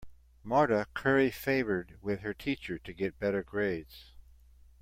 Marta curry favored with her teacher to get better grades.